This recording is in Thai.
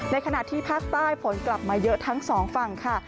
ขณะที่ภาคใต้ฝนกลับมาเยอะทั้งสองฝั่งค่ะ